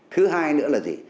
thứ hai nữa là gì